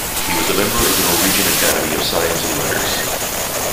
He was a member of the Norwegian Academy of Science and Letters.